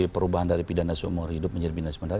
perubahan dari pidana seumur hidup menyerbina sementara